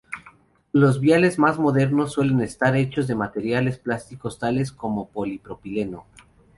Los viales más modernos suelen estar hechos de materiales plásticos tales como polipropileno.